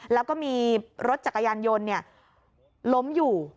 แล้วก็มีรถจักรยานยนต์ล้มอยู่